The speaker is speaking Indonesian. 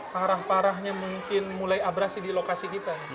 parah parahnya mungkin mulai abrasi di lokasi kita